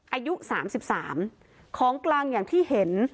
อายุสามสิบสามของกลางอย่างที่เห็น